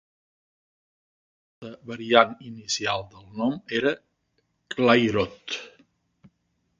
Un alta variant inicial del nom era "Clayroot".